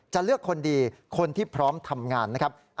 เลือกคนดีคนที่พร้อมทำงานนะครับ